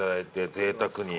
ぜいたくに。